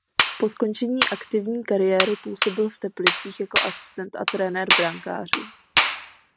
Po skončení aktivní kariéry působil v Teplicích jako asistent a trenér brankářů.